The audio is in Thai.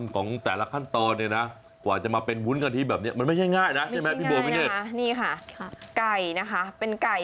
ไก่นะคะเป็นไก่แบบวุ้น